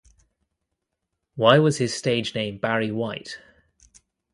Why was his stage name Barry White?